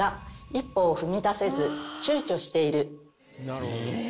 なるほど。